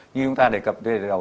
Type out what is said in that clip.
như chúng ta đề cập từ đầu